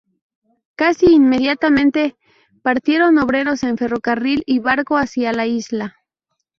Casi inmediatamente, partieron obreros en ferrocarril y barco hacia la isla.